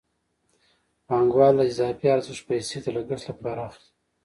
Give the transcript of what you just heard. پانګوال له اضافي ارزښت پیسې د لګښت لپاره اخلي